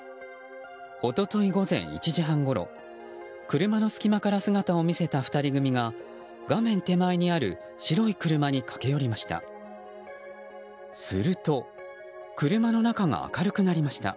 一昨日午前１時半ごろ車の隙間から姿を見せた２人組が画面手前にある白い車に駆け寄りました。